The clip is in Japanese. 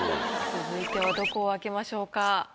続いてはどこを開けましょうか？